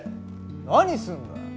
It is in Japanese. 何すんだよ！